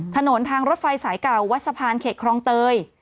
ถนนทางรถไฟสายเก่าวัดสะพานเขตคลองเตย